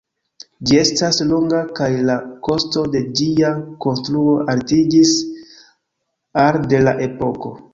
Ĝi estas longa kaj la kosto de ĝia konstruo altiĝis al de la epoko.